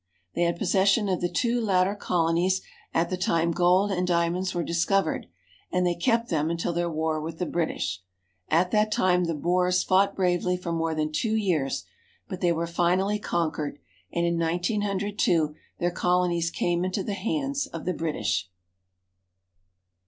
They had possession of the two latter colonies at the time gold and diamonds were discovered, and they kept them until their war with the British. At that time the Boers fought bravely for more than two years ; but they were finally conquered, and in 1902 their colonies came into the hands of the British.